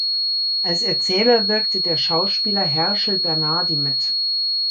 Als Erzähler wirkte der Schauspieler Herschel Bernardi mit.